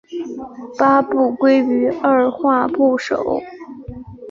八部归于二划部首。